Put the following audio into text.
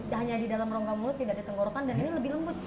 tidak hanya di dalam rongga mulut tidak ditenggorokan dan ini lebih lembut